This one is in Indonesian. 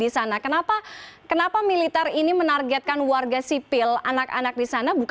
selamat malam mbak tia